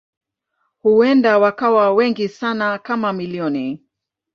Huenda wakawa wengi sana kama milioni.